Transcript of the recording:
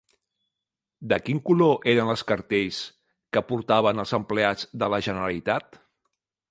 De quin color eren els cartells que portaven els empleats de la Generalitat?